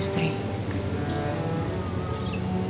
ya berarti sama nin